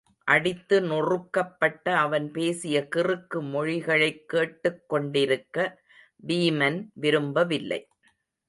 அடித்து நொறுக்கப் பட்ட அவன் பேசிய கிறுக்கு மொழிகளைக் கேட்டுக் கொண்டிருக்க வீமன் விரும்பவில்லை.